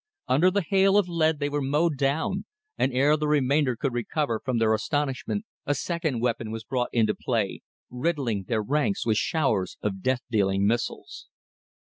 Under the hail of lead they were mowed down, and ere the remainder could recover from their astonishment a second weapon was brought into play, riddling their ranks with showers of death dealing missiles.